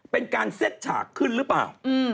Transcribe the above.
เป็นการเซ็ตฉากขึ้นหรือเปล่า